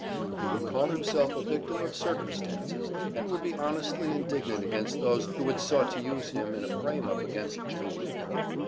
He would call himself a victim of circumstances, and would be honestly indignant against those who had sought to use him in a frame up against Jim Goober.